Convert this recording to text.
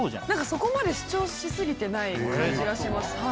何かそこまで主張し過ぎてない感じがします。